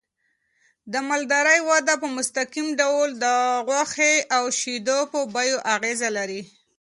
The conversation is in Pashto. د مالدارۍ وده په مستقیم ډول د غوښې او شیدو په بیو اغېز لري.